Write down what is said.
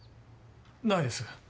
ないです。